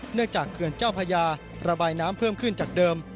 จากเขื่อนเจ้าพญาระบายน้ำเพิ่มขึ้นจากเดิม